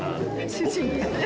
主人ですね。